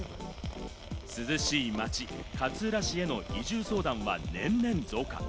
涼しい街、勝浦市への移住相談は年々増加。